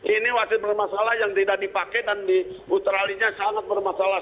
ini wasit bermasalah yang tidak dipakai dan diutralia sangat bermasalah